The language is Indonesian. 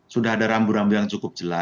sudah ada rambu rambu yang cukup jelas